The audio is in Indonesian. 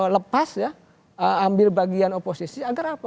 lepas ya ambil bagian oposisi agar apa